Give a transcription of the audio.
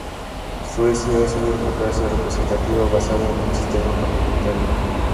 Suecia es una democracia representativa basada en un sistema parlamentario.